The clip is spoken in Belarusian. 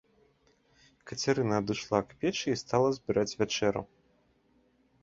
Кацярына адышла к печы і стала збіраць вячэру.